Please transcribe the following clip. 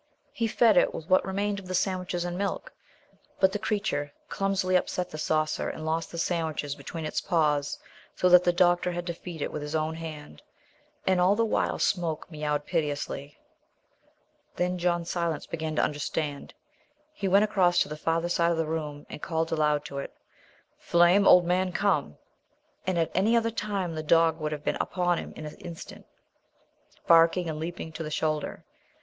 He fed it with what remained of the sandwiches and milk, but the creature clumsily upset the saucer and lost the sandwiches between its paws, so that the doctor had to feed it with his own hand. And all the while Smoke meowed piteously. Then John Silence began to understand. He went across to the farther side of the room and called aloud to it. "Flame, old man! come!" At any other time the dog would have been upon him in an instant, barking and leaping to the shoulder.